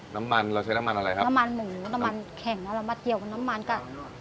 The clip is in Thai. น้ำมันเราใช้น้ำมันอะไรครับน้ำมันหมูน้ำมันแข็งเอาเรามาเกี่ยวกับน้ำมันก็